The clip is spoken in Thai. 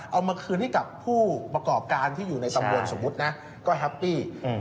เอามาคืนให้กับผู้ประกอบการที่อยู่ในตำบลสมมุตินะก็แฮปปี้อืม